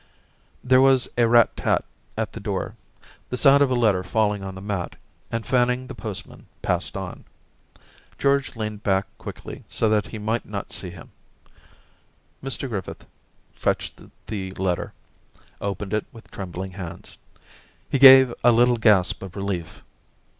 There was a rat tat at the door, the sound of a letter falling on the mat, and Fanning the postman passed on. George leaned back quickly so that he might not see him. Mr Griffith fetched the letter, opened it with trembling hands. .*. He gave a little gasp of relief.